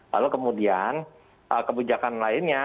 lalu kemudian kebijakan lainnya